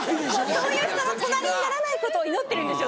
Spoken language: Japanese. そういう人の隣にならないことを祈ってるんですよ